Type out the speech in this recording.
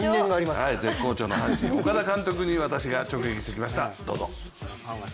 絶好調の阪神・岡田監督に、私が直撃してきました。